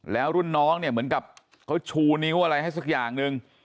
แล้วรุ่นน้องเนี่ยเหมือนกับเขาชูนิ้วอะไรให้สักอย่างหนึ่ง